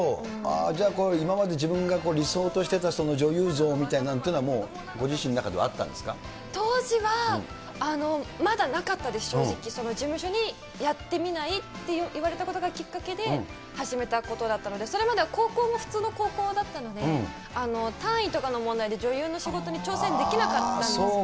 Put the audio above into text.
じゃあ、今まで自分が理想としてた女優像みたいなんてのはもう、ご自身の当時はまだなかったです、正直、事務所にやってみない？って言われたことがきっかけで、始めたことだったので、それまでは高校も普通の高校だったので、単位とかの問題で、女優の仕事に挑戦できなかったんですね。